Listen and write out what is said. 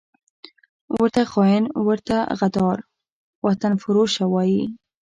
ورته خاین، ورته غدار، وطنفروشه وايي